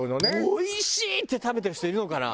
「おいしーい！」って食べてる人いるのかな？